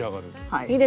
はい。